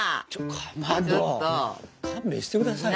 かまど勘弁してくださいよ。